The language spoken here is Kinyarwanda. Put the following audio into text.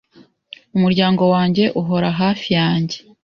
Umuryango wanjye uhora hafi yanjye.